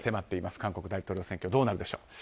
韓国大統領選挙どうなるんでしょう。